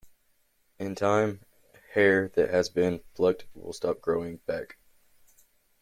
In time, hair that has been plucked will stop growing back.